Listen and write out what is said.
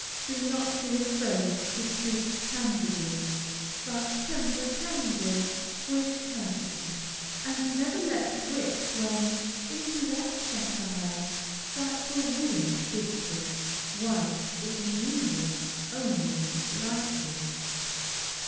Do not be afraid to speak candidly, but temper candor with courtesy, and never let wit run into that satire that will wound deeply, whilst it amuses only slightly.